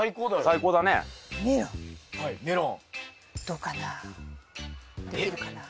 どうかな。